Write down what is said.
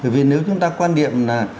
vì nếu chúng ta quan niệm là